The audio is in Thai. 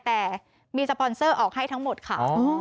แต่มีสปอนเซอร์ออกให้ทั้งหมดค่ะ